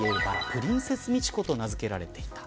プリンセスミチコと名付けられていた。